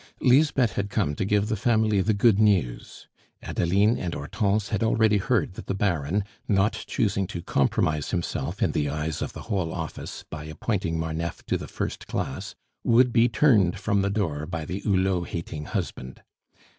Lisbeth had come to give the family the good news. Adeline and Hortense had already heard that the Baron, not choosing to compromise himself in the eyes of the whole office by appointing Marneffe to the first class, would be turned from the door by the Hulot hating husband.